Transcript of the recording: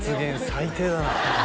最低だな